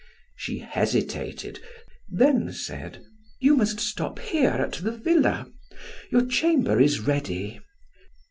She hesitated, then said: "You must stop here, at the villa. Your chamber is ready.